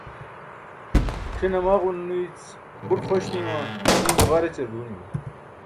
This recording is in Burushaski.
c̣ʰin maġon nuyic buṭ xoś nima iimo ġar ećar duunimi